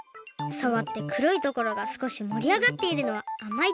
さわって黒いところがすこし盛り上がっているのはあまい